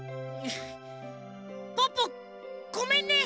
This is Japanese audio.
ポッポごめんね。